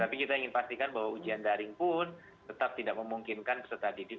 tapi kita ingin pastikan bahwa ujian daring pun tetap tidak memungkinkan peserta didik